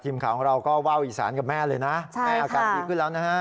ทีมข่าวของเราก็ว่าวอีสานกับแม่เลยนะแม่อาการดีขึ้นแล้วนะฮะ